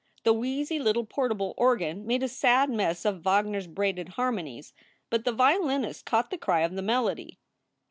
The wheezy little portable organ made a sad mess of Wagner s braided harmonies, but the violinist caught the cry of the melody.